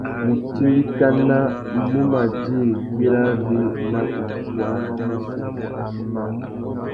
Mutindikana mù mà djï güirari nà uffuá nà issutu.